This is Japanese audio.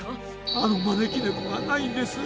あのまねきねこがないんです。